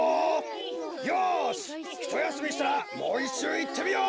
よしひとやすみしたらもういっしゅういってみよう！